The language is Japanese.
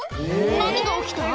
何が起きた？